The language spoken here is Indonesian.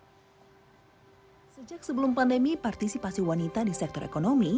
sejak sebelum pandemi partisipasi wanita di sektor ekonomi